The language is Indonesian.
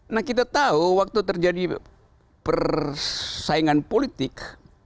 nah kita tahu waktu terjadi persaingan politik